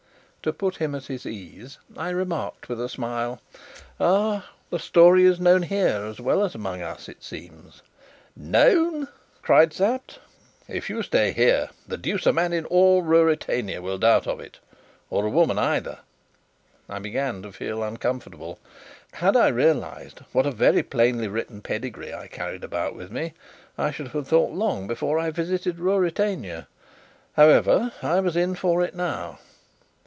To put him at his ease, I remarked with a smile: "Ah! the story is known here as well as among us, it seems." "Known!" cried Sapt. "If you stay here, the deuce a man in all Ruritania will doubt of it or a woman either." I began to feel uncomfortable. Had I realized what a very plainly written pedigree I carried about with me, I should have thought long before I visited Ruritania. However, I was in for it now.